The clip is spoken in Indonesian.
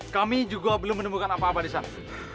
kami juga belum menemukan apa apa di sana